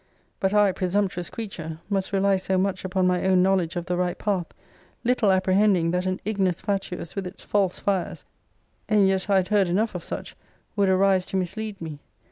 But I, presumptuous creature! must rely so much upon my own knowledge of the right path! little apprehending that an ignus fatuus with its false fires (and ye I had heard enough of such) would arise to mislead me!